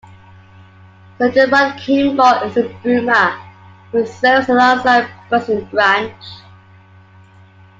Sergeant Rod Kimball is a Boomer who serves alongside Buzz in Branch.